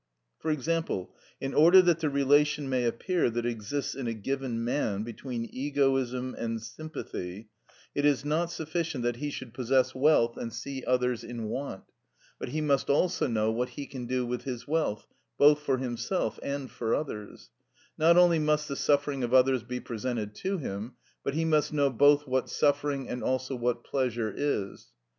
For example, in order that the relation may appear that exists in a given man between egoism and sympathy, it is not sufficient that he should possess wealth and see others in want, but he must also know what he can do with his wealth, both for himself and for others: not only must the suffering of others be presented to him, but he must know both what suffering and also what pleasure is.